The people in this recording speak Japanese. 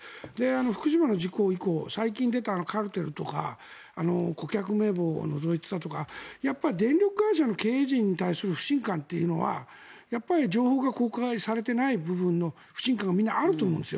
福島の事故以降最近出たカルテルとか顧客名簿をのぞいてたとかやっぱり電力会社の経営陣に対する不信感というのは情報が公開されていない部分の不信感がみんな、あると思うんですよ。